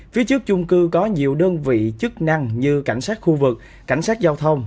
phía trước chung cư có nhiều đơn vị chức năng như cảnh sát khu vực cảnh sát giao thông